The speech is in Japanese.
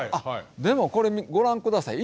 でもこれご覧ください。